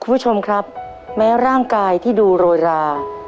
คุณผู้ชมครับแม้ร่างกายที่ดูโรยรา